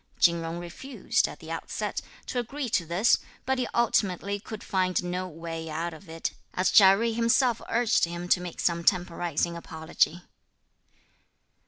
Chin Jung refused, at the outset, to agree to this, but he ultimately could find no way out of it, as Chia Jui himself urged him to make some temporising apology.